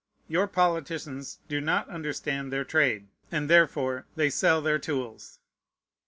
Your politicians do not understand their trade; and therefore they sell their tools.